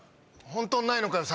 本当にないのかよ？